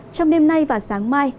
trong đêm nay và sáng mai